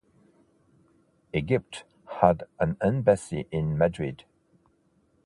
Egypt has an embassy in Madrid.